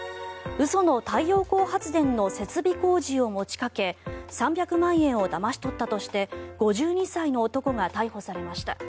嘘の太陽光発電の設備工事を持ちかけ３００万円をだまし取ったとして５２歳の男が逮捕されました。